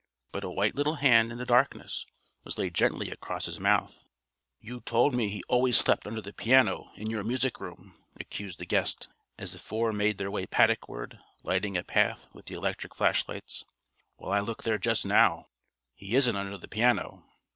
But a white little hand, in the darkness, was laid gently across his mouth. "You told me he always slept under the piano in your music room!" accused the guest as the four made their way paddock ward, lighting a path with the electric flashlights. "Well, I looked there just now. He isn't under the piano.